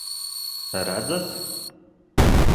Redzat?